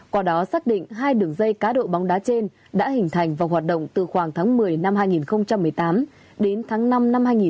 qua đó xác định hai đường dây cá độ bóng đá trên đã hình thành và hoạt động từ khoảng tháng một mươi năm hai nghìn một mươi tám đến tháng năm năm hai nghìn một mươi chín